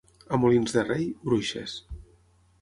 A Molins de Rei, bruixes.